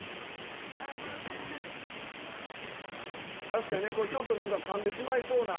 確かにねちょっとかんでしまいそうな。